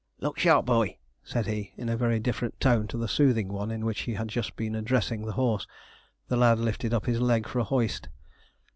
'Look sharp, boy,' said he, in a very different tone to the soothing one in which he had just been addressing the horse. The lad lifted up his leg for a hoist.